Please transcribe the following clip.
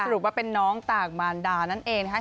รุปว่าเป็นน้องต่างมารดานั่นเองนะคะ